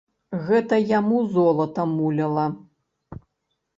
Гэта яму золата муляла.